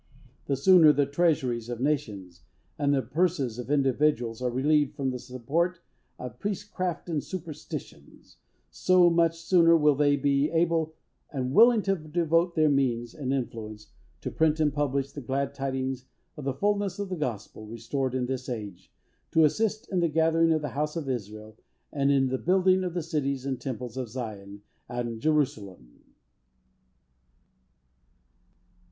The sooner the treasuries of nations, and the purses of individuals, are relieved from the support of priestcraft and superstitions, so much sooner will they be able and willing to devote their means and influence to print and publish the glad tidings of the fulness of the Gospel, restored in this age, to assist in the gathering of the house of Israel, and in the building of the cities and temples of Zion and Jerusalem.